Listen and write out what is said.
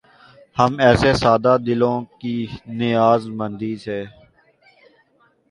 ہم ایسے سادہ دلوں کی نیاز مندی سے